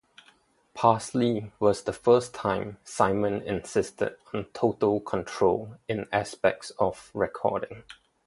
"Parsley" was the first time Simon insisted on total control in aspects of recording.